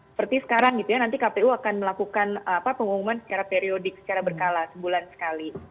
seperti sekarang gitu ya nanti kpu akan melakukan pengumuman secara periodik secara berkala sebulan sekali